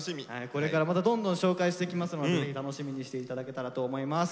これからまたどんどん紹介していきますのでぜひ楽しみにしていただけたらと思います。